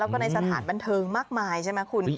แล้วก็ในสถานบันเทิงมากมายใช่ไหมคุณ